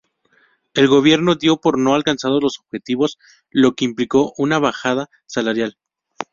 El Gobierno dio por no alcanzados los objetivos, lo que implicó una bajada salarial.